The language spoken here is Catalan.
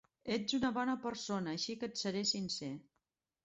Ets una bona persona, així que et seré sincer.